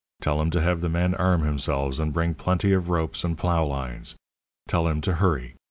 Tell him to have the men arm themselves, and bring plenty of ropes and plough lines. Tell him to hurry."